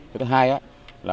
cái thứ hai là